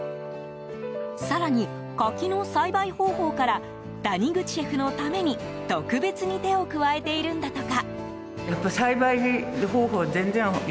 更に柿の栽培方法から谷口シェフのために特別に手を加えているんだとか。